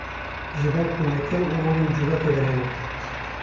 Ji ber ku netew û olên cuda tê de hene.